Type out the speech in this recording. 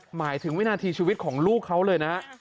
หมายถึงวินาทีชีวิตของลูกเขาเลยนะ